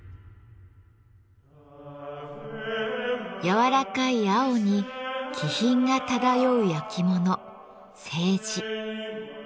柔らかい青に気品が漂うやきもの「青磁」。